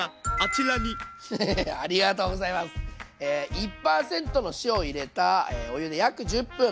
１％の塩を入れたお湯で約１０分。